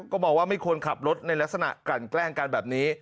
ก็มองว่าไม่ควรขับรถในลักษณะกลั่นแกล้งกันแบบนี้